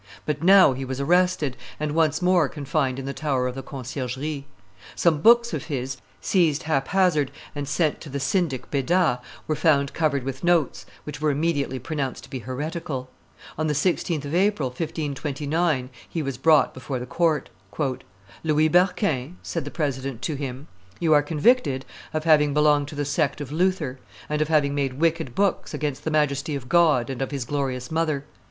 But now he was arrested, and once more confined in the tower of the Conciergerie. Some books of his, seized hap hazard and sent to the syndic Beda, were found covered with notes, which were immediately pronounced to be heretical. On the 16th of April, 1529, he was brought before the court. "Louis Berquin," said the president to him, "you are convicted of having belonged to the sect of Luther, and of having made wicked books against the majesty of God and of His glorious Mother.